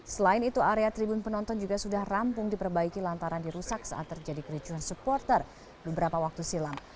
selain itu area tribun penonton juga sudah rampung diperbaiki lantaran dirusak saat terjadi kericuan supporter beberapa waktu silam